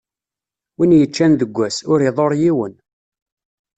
Win yeččan deg ass, ur iḍurr yiwen.